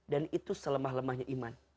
dan itu selemah lemahnya iman